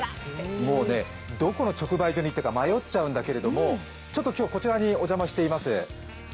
もうね、どこの直売所に行くか迷っちゃうんだけどちょっと、今日はこちらにお邪魔しています。